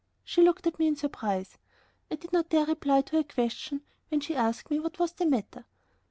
She looked at me in surprise. I did not dare reply to her question when she asked me what was the matter.